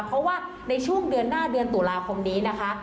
เพราะว่าในช่วงเดือนหน้าเดือนตุลาคมนี้นะคะ